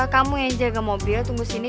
kamu yang jaga mobil tunggu sini